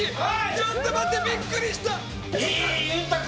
ちょっと待って、ビックリした！